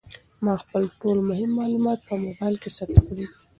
ما خپل ټول مهم معلومات په موبایل کې ثبت کړي دي.